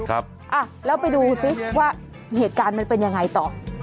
ครับอ่ะแล้วไปดูซิว่าเหตุการณ์มันเป็นยังไงต่อ